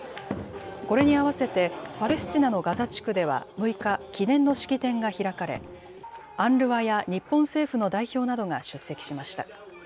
これに合わせてパレスチナのガザ地区では６日、記念の式典が開かれＵＮＲＷＡや日本政府の代表などが出席しました。